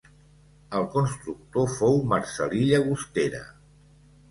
El constructor fou Marcel·lí Llagostera.